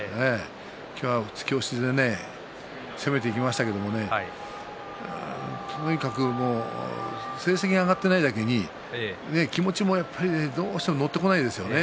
今日は突き押しで攻めていきましたけどとにかく成績が挙がっていないだけに気持ちもやっぱり乗ってこないですよね。